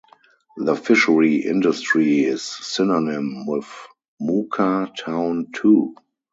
The fishery industry is synonym with Mukah town too.